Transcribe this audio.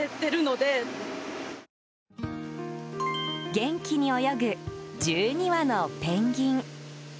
元気に泳ぐ１２羽のペンギン。